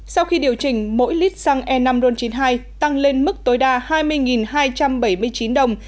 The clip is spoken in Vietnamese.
sau khi điều chỉnh mỗi lít xăng e năm ron chín mươi hai tăng lên mức tối đa hai mươi hai trăm bảy mươi chín đồng